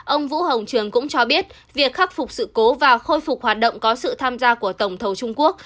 ông vũ hồng trường cũng cho biết việc khắc phục sự cố và khôi phục hoạt động có sự tham gia của tổng thầu trung quốc